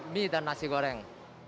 mie dan nasi goreng